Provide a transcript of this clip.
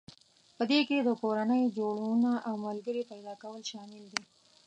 په دې کې د کورنۍ جوړونه او ملګري پيدا کول شامل دي.